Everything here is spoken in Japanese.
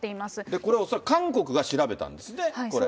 これは恐らく韓国が調べたんですね、これ。